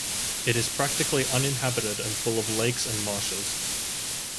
It is practically uninhabited and full of lakes and marshes.